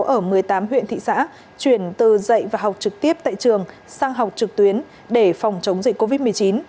ở một mươi tám huyện thị xã chuyển từ dạy và học trực tiếp tại trường sang học trực tuyến để phòng chống dịch covid một mươi chín